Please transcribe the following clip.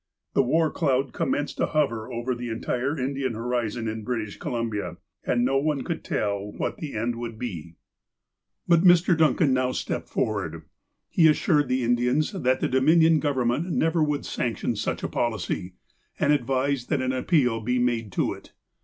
The war cloud commenced to hover over the entire Indian horizon in British Columbia, and no one could tell what the end would be. 279 280 THE APOSTLE OF ALASKA But Mr. Duncan now stepped forward. He assured the Indians that the Dominion Government never would sanction such a policy, and advised that an appeal be made to it.